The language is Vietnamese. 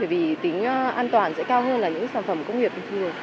bởi vì tính an toàn sẽ cao hơn là những sản phẩm công nghiệp bình thường